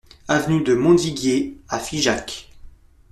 Avenue de Montviguier à Figeac